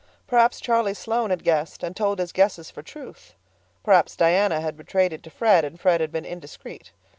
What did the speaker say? Perhaps Charlie Sloane had guessed and told his guesses for truth. Perhaps Diana had betrayed it to Fred and Fred had been indiscreet.